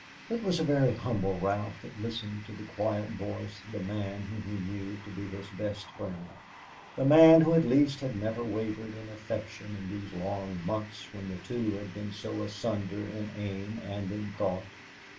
It was a very humble Ralph that listened to the quiet voice of the man whom he knew to be his best friend, the man who at least had never wavered in affection in these long months when the two had been so asunder in aim and in thought.